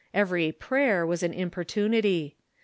Every prayer was an importunity.